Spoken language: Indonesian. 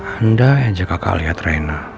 anda aja kakak liat reyna